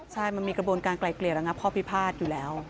ใช่มันมีกระบวนการไกลเกลี่ยระงับข้อพิพาทอยู่แล้ว